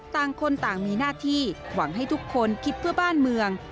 ต่างคนต่างมีหน้าที่หวังให้ทุกคนคิดเพื่อบ้านเมือง